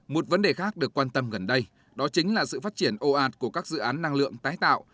một vấn đề khác được quan tâm gần đây đó chính là sự phát triển ồ ạt của các dự án năng lượng tái tạo